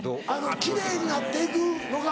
奇麗になっていくのが。